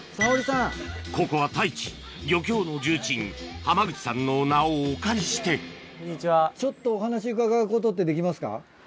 ここは太一漁協の重鎮濱口さんの名をお借りしてちょっとお話伺うことってできますか？